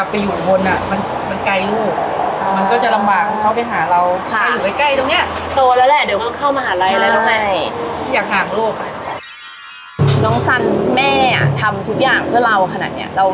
มีขอเสนออยากให้แม่หน่อยอ่อนสิทธิ์การเลี้ยงดู